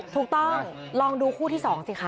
ถูกต้องลองดูคู่ที่๒สิคะ